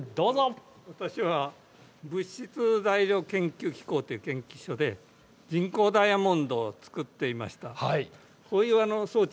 私は物質材料研究機構という研究所で人工ダイヤモンドを作っていました。